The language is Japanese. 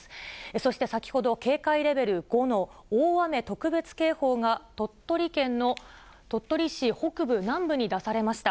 そして先ほど、警戒レベル５の大雨特別警報が鳥取県の鳥取市北部、南部に出されました。